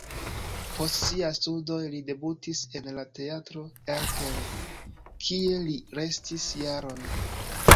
Post siaj studoj li debutis en la Teatro Erkel, kie li restis jaron.